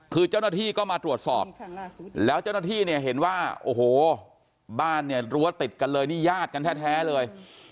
คือเจ้าหน้าที่ก็มาตรวจสอบแล้วเจ้าหน้าที่เนี่ยเห็นว่าโอ้โหบ้านเนี่ยรั้วติดกันเลยนี่ญาติกันแท้เลย